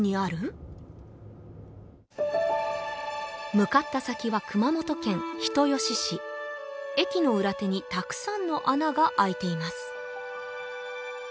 向かった先は熊本県人吉市駅の裏手にたくさんの穴があいています